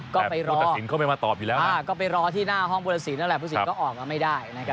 ก็ไปรอที่หน้าห้องพุทธศิลป์แล้วแหละพุทธศิลป์ก็ออกมาไม่ได้นะครับ